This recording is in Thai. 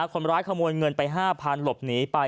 คนร้ายขโมยเงินไป๕๐๐๐หลบหนีไป